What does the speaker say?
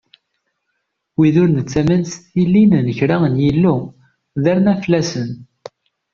Wid ur nettamen s tilin n kra n yillu, d arnaflasen.